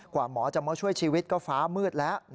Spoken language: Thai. หมอจะมาช่วยชีวิตก็ฟ้ามืดแล้ว